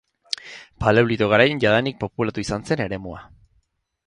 Paleolito garaian jadanik populatua izan zen eremua.